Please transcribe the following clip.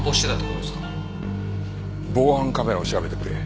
防犯カメラを調べてくれ。